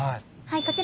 はい。